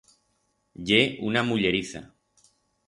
Ye una mulleriza.